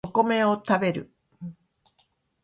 お米を食べる